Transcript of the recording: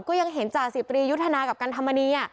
ก็ยังเห็นจ่าสิบตรียุทธนากับกันธรรมนี